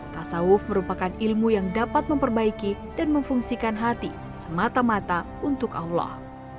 tasawuf merupakan ilmu yang dapat memperbaiki dan memfungsikan hati semata mata untuk allah